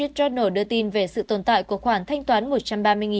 wall street journal đưa tin về sự tồn tại của khoản thanh toán